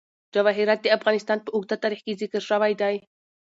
جواهرات د افغانستان په اوږده تاریخ کې ذکر شوی دی.